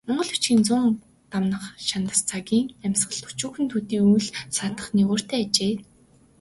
Монгол бичгийн зуун дамнах шандас цаг цагийн амьсгалд өчүүхэн төдий үл саатах нигууртай ажээ.